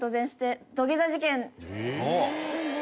何？